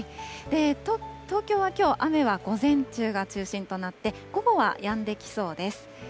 東京はきょう、雨は午前中が中心となって、午後はやんできそうです。